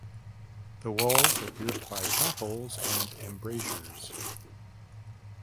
The walls are pierced by shot holes and embrasures.